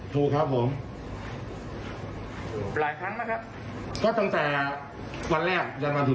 สรุปวินครับเขาเขาข้ามมารับฝั่งหน้าพุทธิ